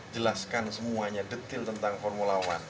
jelaskan semuanya detail tentang formula one